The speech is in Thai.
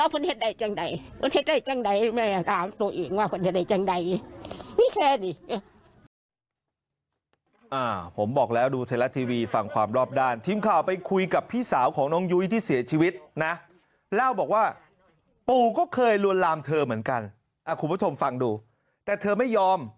เพราะว่าคนแท้จังใดไม่ตามตัวเองว่าคนแท้จังใด